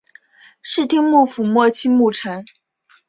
室町幕府末期幕臣。